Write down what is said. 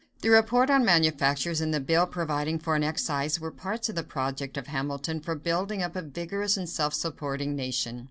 The report on manufactures and the bill providing for an excise were parts of the project of Hamilton for building up a vigorous and self supporting nation.